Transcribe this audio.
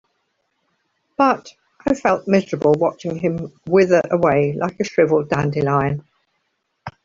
But I felt miserable watching him wither away like a shriveled dandelion.